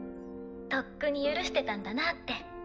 とっくに許してたんだなって。